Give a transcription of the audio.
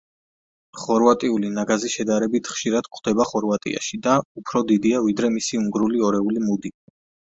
ხორვატული ნაგაზი შედარებით ხშირად გვხვდება ხორვატიაში და უფრო დიდია, ვიდრე მისი უნგრული ორეული მუდი.